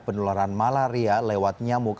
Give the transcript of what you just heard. penularan malaria lewat nyamuk